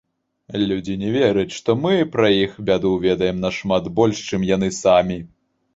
Людзі не вераць, што мы пра іх бяду ведаем нашмат больш, чым яны самі.